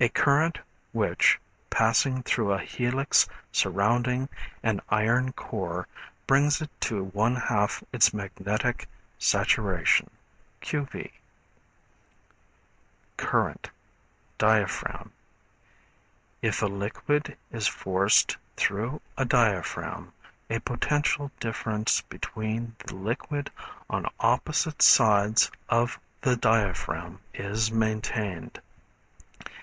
A current, which, passing through a helix surrounding an iron core, brings it to one half its magnetic saturation, q. v. Current, Diaphragm. If a liquid is forced through a diaphragm, a potential difference between the liquid on opposite sides of the diaphragm is maintained.